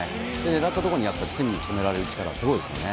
狙った所に、隅に決められる力、すごいですよね。